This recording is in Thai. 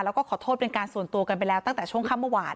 แล้วก็ขอโทษเป็นการส่วนตัวกันไปแล้วตั้งแต่ช่วงค่ำเมื่อวาน